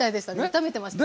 炒めてましたね。